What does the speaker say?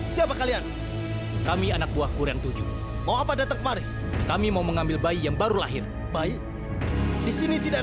sampai jumpa di video selanjutnya